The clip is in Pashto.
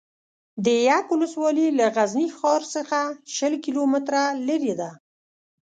ده یک ولسوالي له غزني ښار څخه شل کیلو متره لري ده